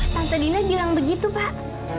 tante dina bilang begitu pak